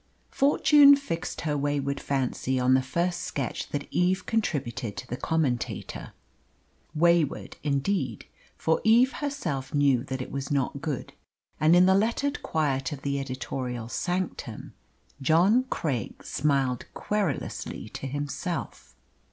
Fortune fixed her wayward fancy on the first sketch that Eve contributed to the Commentator. Wayward, indeed, for Eve herself knew that it was not good, and in the lettered quiet of the editorial sanctum John Craik smiled querulously to himself.